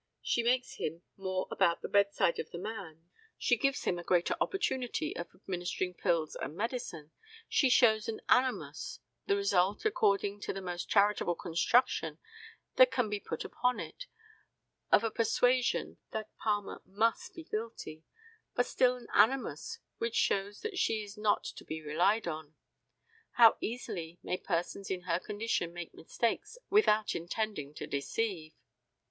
She makes him more about the bedside of the man, she gives him a greater opportunity of administering pills and medicine, she shows an animus, the result, according to the most charitable construction that can be put upon it, of a persuasion that Palmer must be guilty, but still an animus which shows that she is not to be relied on. How easily may persons in her condition make mistakes without intending to deceive!